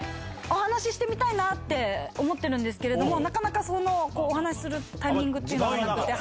お話してみたいなって思ってるんですけど、なかなかお話しするタイミングっていうのがなくて。